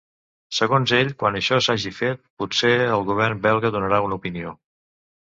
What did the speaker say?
Segons ell, quan això s’hagi fet potser el govern belga donarà una opinió.